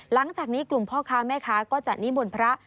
หลังจากนี้กลุ่มพ่อค้าแม่ค้าก็จะนิมนต์พระ